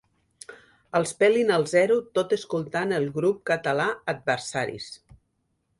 Els pelin al zero tot escoltant el grup català Atversaris.